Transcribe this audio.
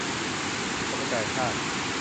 จะไปจ่ายค่า